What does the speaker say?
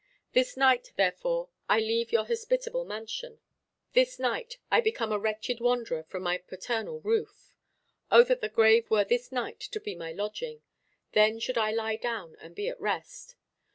This night, therefore, I leave your hospitable mansion. This night I become a wretched wanderer from my paternal roof. O that the grave were this night to be my lodging! Then should I lie down and be at rest.